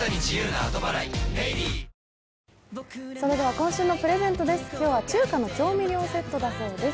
今週のプレゼントです。